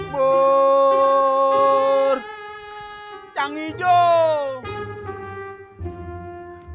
boor canggih jom